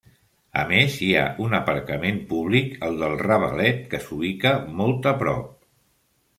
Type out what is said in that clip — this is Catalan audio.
A més hi ha un aparcament públic, el del Ravalet que s'ubica molt a prop.